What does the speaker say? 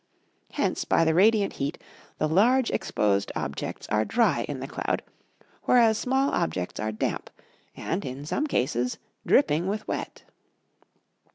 Hence, by the radiant heat, the large exposed objects are dry in the cloud; whereas small objects are damp, and, in some cases, dripping with wet.